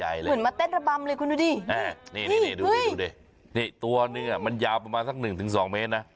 เหมือนมัตแต๊ะระบำเลยคุณดูดินี่นี่นี่นี่ดูดิตัวเนี่ยมันยาวประมาณสัก๑๒เมตรนะ